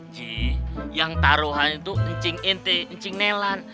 ji yang taruhan itu ncing ente ncing nelan